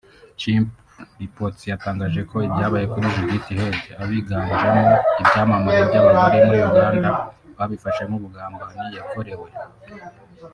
Chimp Reports yatangaje ko ibyabaye kuri Judith Heard abiganjemo ibyamamare by’abagore muri Uganda babifashe nk’ubugambanyi yakorewe